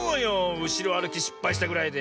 うしろあるきしっぱいしたぐらいで。